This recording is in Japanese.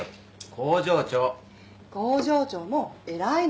工場長も偉いのよ。